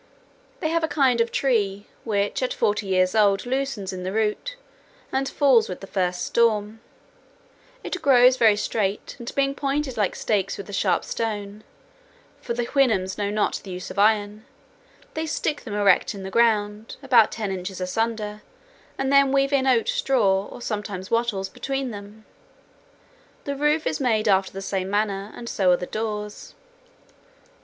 They have a kind of tree, which at forty years old loosens in the root, and falls with the first storm: it grows very straight, and being pointed like stakes with a sharp stone (for the Houyhnhnms know not the use of iron), they stick them erect in the ground, about ten inches asunder, and then weave in oat straw, or sometimes wattles, between them. The roof is made after the same manner, and so are the doors.